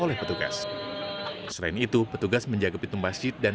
lepas berarti lepasan menjawabkan